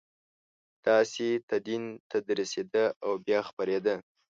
داسې تدین تدریسېده او بیا خپرېده.